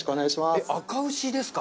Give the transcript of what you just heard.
あか牛ですか？